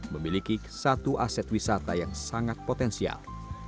memiliki satu aset wisata yang sangat potensial